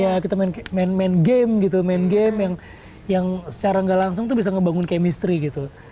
ya kita main main game gitu main game yang secara gak langsung tuh bisa ngebangun chemistry gitu